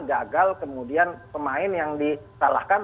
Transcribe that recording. gagal kemudian pemain yang disalahkan